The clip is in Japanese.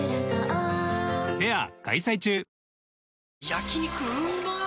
焼肉うまっ